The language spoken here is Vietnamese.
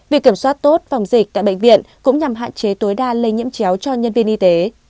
việc kiểm soát tốt phòng dịch tại bệnh viện cũng nhằm hạn chế tối đa lây nhiễm chéo cho nhân viên y tế